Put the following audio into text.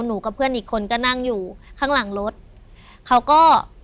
กับเพื่อนอีกคนก็นั่งอยู่ข้างหลังรถเขาก็